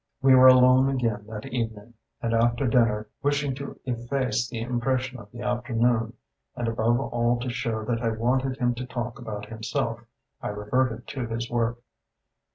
We were alone again that evening, and after dinner, wishing to efface the impression of the afternoon, and above all to show that I wanted him to talk about himself, I reverted to his work.